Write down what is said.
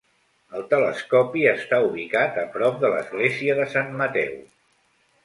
El telescopi està ubicat a prop de l'església de Sant Mateu.